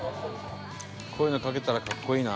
こういうの書けたら格好いいな。